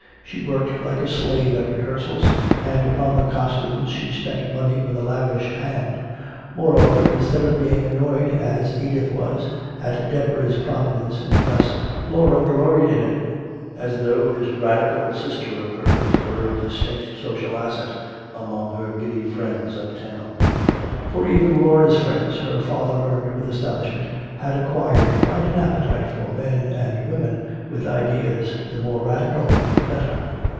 She worked like a slave at rehearsals, and upon the costumes she spent money with a lavish hand. Moreover, instead of being annoyed, as Edith was, at Deborah's prominence in the press, Laura gloried in it, as though this "radical" sister of hers were a distinct social asset among her giddy friends uptown. For even Laura's friends, her father learned with astonishment, had acquired quite an appetite for men and women with ideas the more "radical," the better.